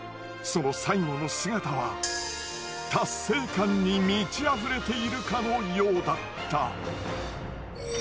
その最後の姿は達成感に満ちあふれているかのようだった。